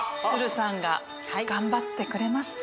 さんが頑張ってくれました